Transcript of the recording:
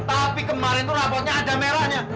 tapi kemarin tuh raportnya ada merahnya